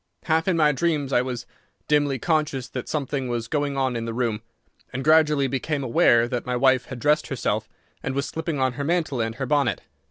Half in my dreams I was dimly conscious that something was going on in the room, and gradually became aware that my wife had dressed herself and was slipping on her mantle and her bonnet.